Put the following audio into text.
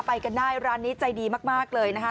ไปกันได้ร้านนี้ใจดีมากเลยนะคะ